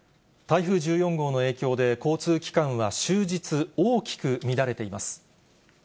台風１４号の影響で、交通機関は終日、大きく乱れています。